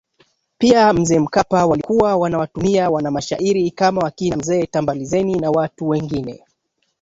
Pia Mzee Mkapa walikuwa wanawatumia wanamashairi kama wakina Mzee Tambalizeni na watu wengine